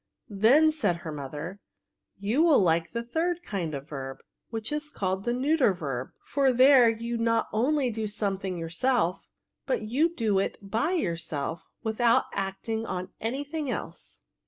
Then," said her mother, '* you will like the third kind of verb, which is called the neuter verb ; for there you not only do some thing yourself, but you do it by yourself, without acting on any thing else."